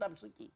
kalau kita suci